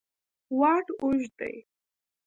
واټ اوږد دی.